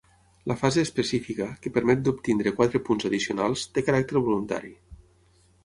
La fase específica, que permet d’obtenir quatre punts addicionals, té caràcter voluntari.